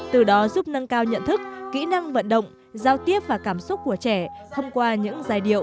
từ đó giúp nâng cao nhận thức kỹ năng vận động giao tiếp và cảm xúc của trẻ thông qua những giai điệu